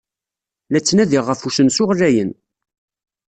La ttnadiɣ ɣef usensu ɣlayen.